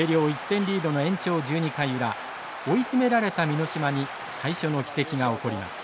１点リードの延長１２回裏追い詰められた箕島に最初の奇跡が起こります。